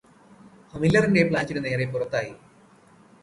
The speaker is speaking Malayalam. മില്ലറിന്റെ പ്ലാനറ്റിനു നേരെ പുറത്തായി